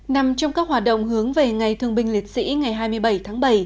nằm trong các hoạt động hướng về ngày thương binh liệt sĩ ngày hai mươi bảy tháng bảy